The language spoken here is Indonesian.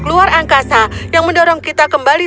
luar angkasa yang mendorong kita kembali